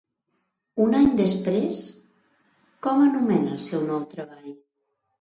Un any després, com anomenà el seu nou treball?